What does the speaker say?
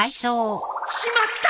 しまった。